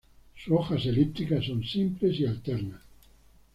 Sus hojas elíptica son simples y alternas.